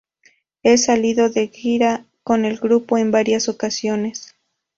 Ha salido de gira con el grupo en varias ocasiones.